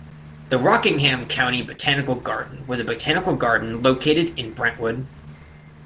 The Rockingham County Botanical Garden was a botanical garden located in Brentwood.